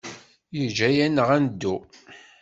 Yeǧǧa-aneɣ ad neddu.